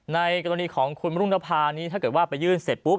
ในกรณีของคุณรุ่งนภานี้ถ้าเกิดว่าไปยื่นเสร็จปุ๊บ